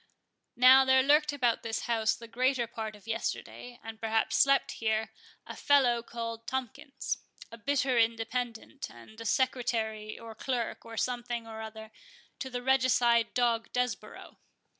Now there lurked about this house the greater part of yesterday, and perhaps slept here, a fellow called Tomkins,—a bitter Independent, and a secretary, or clerk, or something or other, to the regicide dog Desborough.